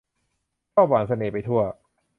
ชอบหว่านเสน่ห์ไปทั่ว